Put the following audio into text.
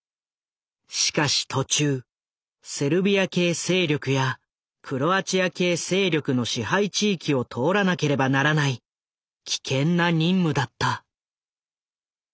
しかし途中セルビア系勢力やクロアチア系勢力の支配地域を通らなければならない危険な任務だった。